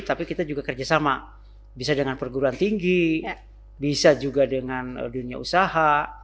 tapi kita juga kerjasama bisa dengan perguruan tinggi bisa juga dengan dunia usaha